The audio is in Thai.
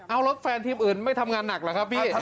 เอารถแฟนทีมอื่นไม่ทำงานหนักเหรอครับพี่